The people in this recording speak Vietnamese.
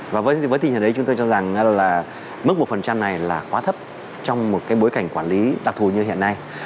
và với tình hình đấy chúng tôi cho rằng là mức một này là quá thấp trong một cái bối cảnh quản lý đặc thù như hiện nay